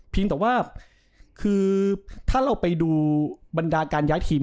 แต่ว่าคือถ้าเราไปดูบรรดาการย้ายทีม